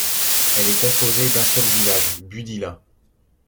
Elle est composée d'un seul village, Budila.